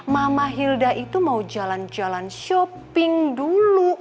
mama hilda itu mau jalan jalan shopping dulu